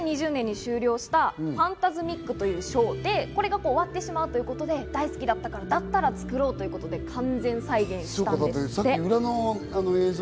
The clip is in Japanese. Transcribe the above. ２０２０年に終了した「ファンタズミック！」というショーで、これが終わってしまうということで、大好きだったので、だったら作ろうということで、完全再現したんです。